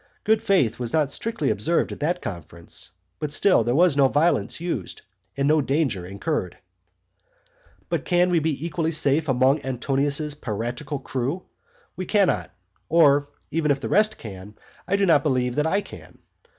Good faith was not strictly observed at that conference; but still there was no violence used, and no danger incurred. XII. But can we be equally safe among Antonius's piratical crew? We cannot; or, even if the rest can, I do not believe that I can.